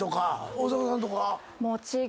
大迫さんとこは？